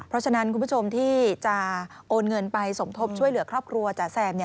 เพราะฉะนั้นคุณผู้ชมที่จะโอนเงินไปสมทบช่วยเหลือครอบครัวจ๋าแซม